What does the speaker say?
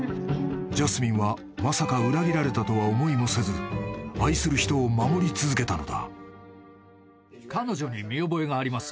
ジャスミンはまさか裏切られたとは思いもせず愛する人を守り続けたのだ］